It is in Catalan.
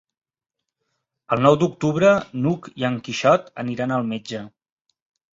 El nou d'octubre n'Hug i en Quixot aniran al metge.